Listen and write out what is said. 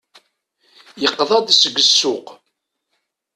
Yeqḍa-d seg ssuq.